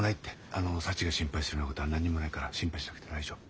あのサチが心配するようなことは何にもないから心配しなくて大丈夫。